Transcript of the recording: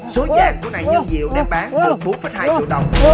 số giang của này như diệu đem bán một mươi bốn hai triệu đồng